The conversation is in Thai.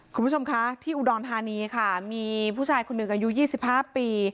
คุณผู้ชมคะที่อุดรธานีค่ะมีผู้ชายคนหนึ่งอายุ๒๕ปี